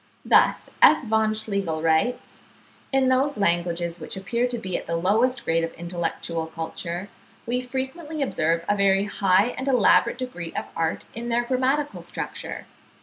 Thus F. von Schlegel writes: "In those languages which appear to be at the lowest grade of intellectual culture, we frequently observe a very high and elaborate degree of art in their grammatical structure.